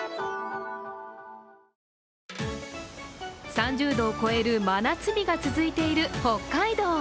３０度を超える真夏日が続いている北海道。